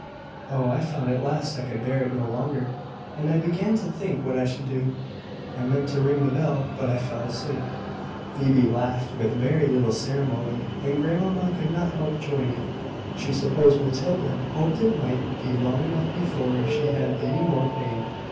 "Oh, I found at last I could bear it no longer, and I began to think what I should do. I meant to ring the bell, but I fell asleep." Phoebe laughed with very little ceremony, and grandmamma could not help joining. She supposed Matilda hoped it might be long enough before she had any more pain.